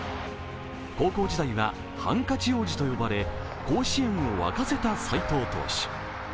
高校時代はハンカチ王子と呼ばれ、甲子園を沸かせた斉藤投手。